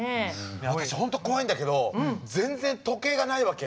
いや私本当怖いんだけど全然時計がないわけ。